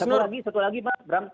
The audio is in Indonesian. satu lagi satu lagi pak bram